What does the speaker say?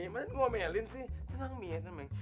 kenapa gua ngomelin sih tenang tenang